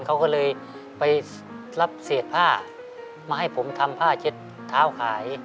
เขาก็เลยไปรับเศษผ้ามาให้ผมทำผ้าเช็ดเท้าขาย